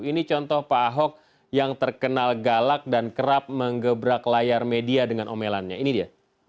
ini contoh pak ahok yang terkenal galak dan kerap mengebrak layar media dengan omelannya ini dia